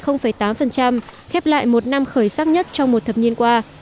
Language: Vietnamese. khép lại một năm khởi sắc nhất trong một thập niên qua